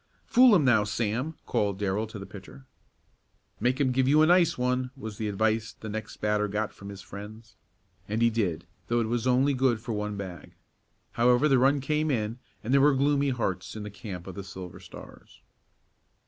"Fool him now, Sam," called Darrell to the pitcher. "Make him give you a nice one," was the advice the next batter got from his friends. And he did, though it was only good for one bag. However, the run came in, and there were gloomy hearts in the camp of the Silver Stars.